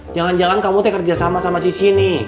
jangan jangan kamu teh kerja sama sama cicih nih